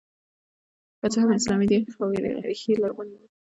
که څه هم اسلامي دی خو ریښې یې لرغونې دي